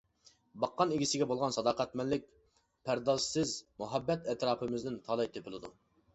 باققان ئىگىسىگە بولغان ساداقەتمەنلىك، پەردازسىز مۇھەببەت ئەتراپىمىزدىن تالاي تېپىلىدۇ.